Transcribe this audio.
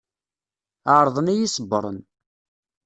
Ɛerḍen ad iyi-ṣebbren.